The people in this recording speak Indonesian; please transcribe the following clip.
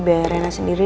biar rina sendiri